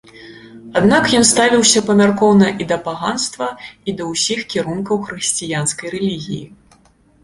Аднак ён ставіўся памяркоўна і да паганства, і да ўсіх кірункаў хрысціянскай рэлігіі.